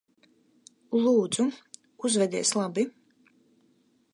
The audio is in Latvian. Lūdzu, uzvedies labi.